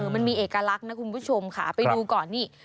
มันมีเอกลักษณ์นะคุณผู้ชมค่ะไปดูก่อนนี่